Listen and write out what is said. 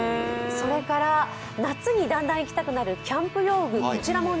それから夏にだんだん行きたくなるキャンプ用具